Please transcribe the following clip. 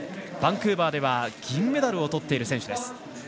バンクーバーでは銀メダルをとっている選手です。